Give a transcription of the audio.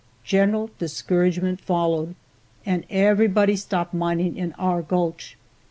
General discouragement followed, and everybody stopped mining in our gulch.